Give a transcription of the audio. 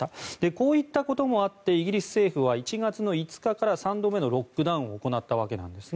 こういったこともあってイギリス政府は１月５日から３度目のロックダウンを行ったわけです。